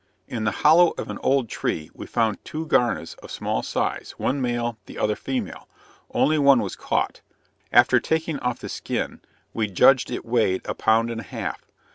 In the hollow of an old tree, we found two guarnas of small size, one male, the other female. Only one was caught. After taking off the skin, we judged it weighed a pound and a half.